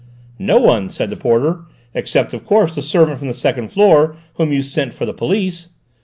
"No one," said the porter, "except, of course, the servant from the second floor, whom you sent for the police."